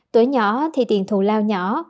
tuổi nhỏ thì tiền thù lao nhỏ